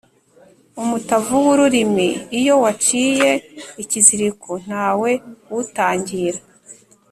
Umutavu w’urulimi iyo waciye ikiziliko ntawe uwutangira.